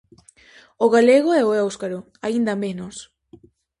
O galego e o éuscaro, aínda menos.